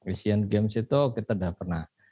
asian games itu kita tidak pernah